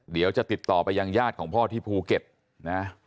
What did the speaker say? เดี๋ยวจะติดต่อไปยังญาติของพ่อที่ภูเก็ตนะ